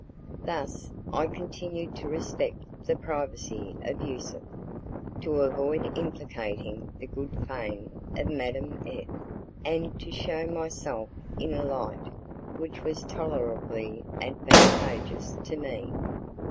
Thus I continued to respect the privacy of Yusuf, to avoid implicating the good fame of Madame F , and to shew myself in a light which was tolerably advantageous to me.